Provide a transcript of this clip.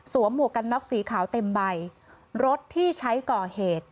หมวกกันน็อกสีขาวเต็มใบรถที่ใช้ก่อเหตุ